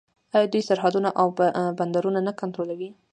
آیا دوی سرحدونه او بندرونه نه کنټرولوي؟